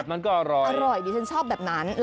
มันก็อร่อยอร่อยดิฉันชอบแบบนั้น